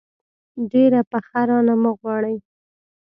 ډېره پخه رانه مه غواړئ.